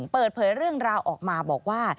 เปิดเผยเรื่องราวออกมาบอกว่า